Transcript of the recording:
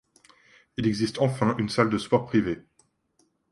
Il existe enfin une salle de sport privée.